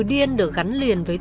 từ điên được gắn liền với tên